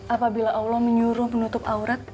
apabila allah menyuruh penutup aurat